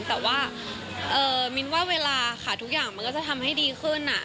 แต่ว่ามิ้นว่าเวลาค่ะทุกอย่างมันก็จะทำให้ดีขึ้น